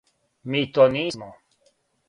Ми то нисмо.